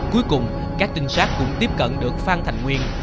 cuối cùng các trinh sát cũng tiếp cận được phan thành nguyên